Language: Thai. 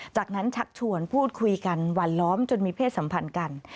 จากนั้นชักชวนพูดคุยกันวันล้อมจนมีเพศสัมพันธ์กัน